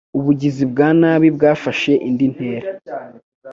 ubugizi bwa nabi bwafashe indi ntera